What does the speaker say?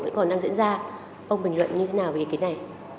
vẫn còn đang diễn ra ông bình luận như thế nào về ý kiến này